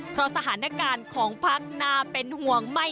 เพราะสถานการณ์ของพักน่าเป็นห่วงไม่